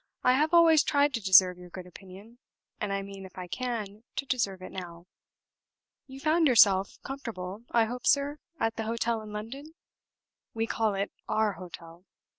I have always tried to deserve your good opinion, and I mean, if I can, to deserve it now. You found yourself comfortable, I hope, sir, at the hotel in London? We call it Our hotel.